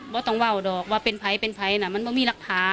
บ่ต้องว่าวดอกว่าเป็นไภเป็นไภนะมันบ่มีรักษา